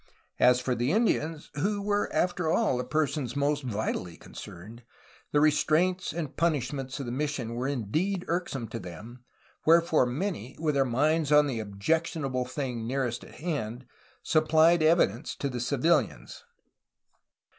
As for the Indians, who after all were the per sons most vitally concerned, the restraints and punishments of the mission were indeed irksome to them, wherefore many, with their minds on the objectionable thing nearest at hand, supplied evidence for the civilians.